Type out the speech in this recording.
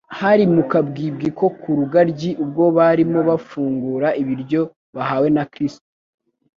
hari mu kabwibwi ko ku rugaryi ubwo barimo bafungura ibiryo bahawe na Kristo.